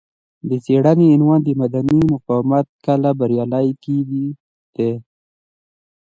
د څېړنې عنوان مدني مقاومت کله بریالی کیږي دی.